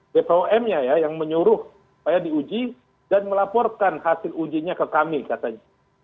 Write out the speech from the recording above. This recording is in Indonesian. bpom nya ya yang menyuruh supaya diuji dan melaporkan hasil ujinya ke kami katanya